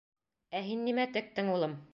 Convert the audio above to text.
— Ә һин нимә тектең, улым?